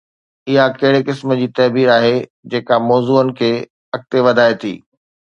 اها ڪهڙي قسم جي تعبير آهي جيڪا موضوعن کي اڳتي وڌائي ٿي؟